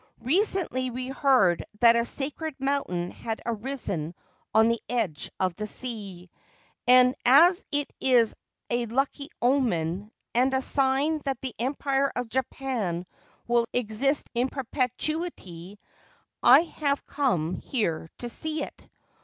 Recently we heard that a sacred mountain had arisen on the edge of the sea, and, as it is a lucky omen, and a sign that the Empire of Japan will exist in perpetuity, I have 242 White Sake come here to see it.